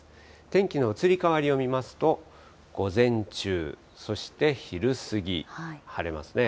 天気の移り変わりを見ますと、午前中、そして昼過ぎ、晴れますね。